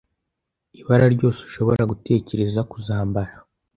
Ibara ryose ushobora gutekereza kuzambara